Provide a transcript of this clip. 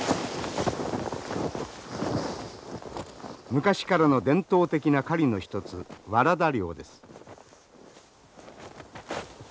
昔からの伝統的な狩りの一つワラダ猟です。